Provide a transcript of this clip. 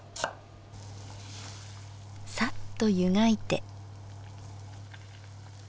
さっとゆがいて。